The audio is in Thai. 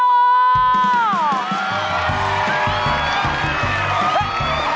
เยี้ยม